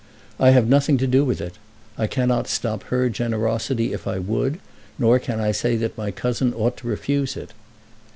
I have nothing to do with it. I cannot stop her generosity if I would, nor can I say that my cousin ought to refuse it.